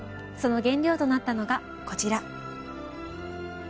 その原料となったのがこちら。